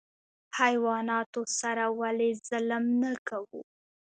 حیواناتو سره ولې ظلم نه کوو؟